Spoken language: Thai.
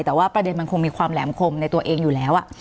แต่ว่าประเด็นมันคงมีความแหลมคมในตัวเองอยู่แล้ว